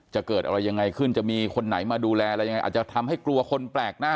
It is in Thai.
เกิดอะไรยังไงขึ้นจะมีคนไหนมาดูแลอะไรยังไงอาจจะทำให้กลัวคนแปลกหน้า